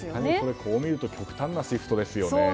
こう見ると極端なシフトですね。